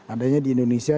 adanya di indonesia